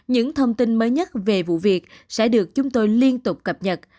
những thông tin mới nhất về vụ việc sẽ được chúng tôi liên tục cập nhật